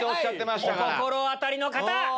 お心当たりの方！